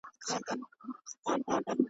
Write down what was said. ¬ چي څنگه دېگ، هغسي ئې ټېپر.